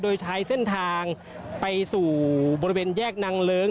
โดยใช้เส้นทางไปสู่บริเวณแยกนางเลิ้ง